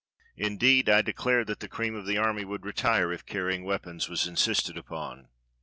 Indeed, I declare that the cream of the army would retire if carrying weapons was insisted upon."